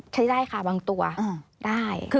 ใช้ได้ค่ะบางตัวได้